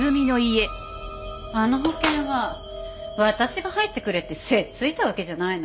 あの保険は私が入ってくれってせっついたわけじゃないのよ。